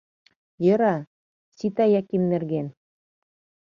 — Йӧра, сита Яким нерген.